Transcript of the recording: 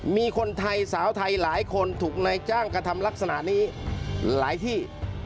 มีคนไทยสาวไทยหลายคนถูกนายจ้างกระทำลักษณะนี้หลายที่